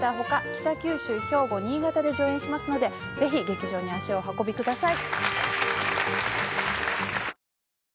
北九州兵庫新潟で上演しますのでぜひ劇場に足をお運びください